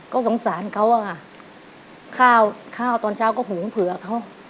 ก็สงสารเขาอะค่ะข้าวข้าวตอนเช้าก็หุงเผื่อเขา